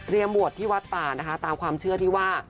บวชที่วัดป่านะคะตามความเชื่อที่ว่า